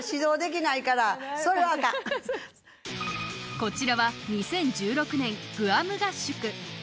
こちらは２０１６年、グアム合宿。